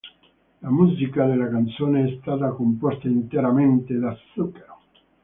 La musica della canzone è stata composta interamente da Zucchero.